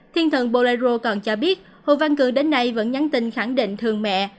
thiên thần bolero còn cho biết hồ văn cường đến nay vẫn nhắn tin khẳng định thương mẹ